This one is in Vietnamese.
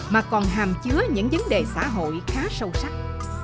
mà còn hàm chứa những vấn đề xã hội khá sâu sắc